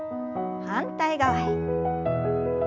反対側へ。